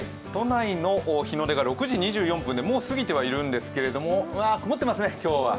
都内の日の出が６時２４分でもうすぎてはいるんですけれども、うわ、曇ってますね。